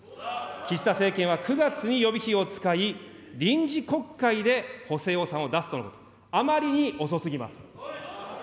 岸田政権は９月に予備費を使い、臨時国会で補正予算を出すとのこと、あまりに遅すぎます。